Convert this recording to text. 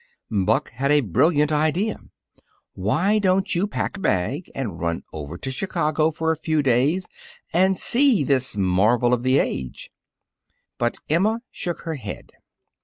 Buck had a brilliant idea. "Why don't you pack a bag and run over to Chicago for a few days and see this marvel of the age?" But Emma shook her head.